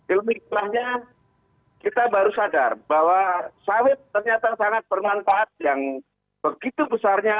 ilmiahnya kita baru sadar bahwa sawit ternyata sangat bermanfaat yang begitu besarnya